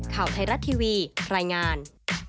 ข่าวไทยรัฐทีวีรายงาน